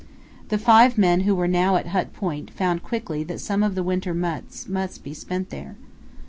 The five men who were now at Hut Point found quickly that some of the winter months must be spent there.